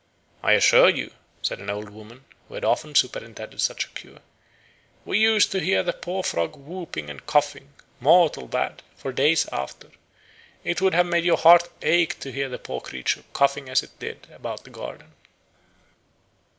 "I assure you," said an old woman who had often superintended such a cure, "we used to hear the poor frog whooping and coughing, mortal bad, for days after; it would have made your heart ache to hear the poor creature coughing as it did about the garden."